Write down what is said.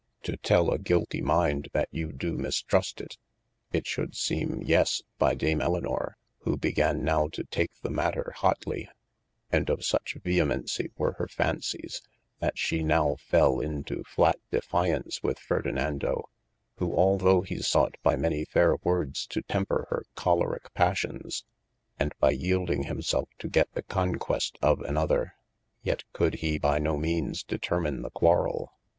to tell a guilty mind that you do mistrust it ? It should seeme yes, by Dame Elynor, who began now to take the matter whotlye : and of such vehemencie were hir fancies, that she nowe fell into flat defiance with Ferdinando, who although he sought by many faire wordes to temper hir chollorike passions, and by yelding him selfe to get the conquest of an other, yet could he by no meanes determine the quarrell.